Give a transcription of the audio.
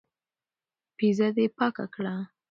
پېزه دي پاکه کړه.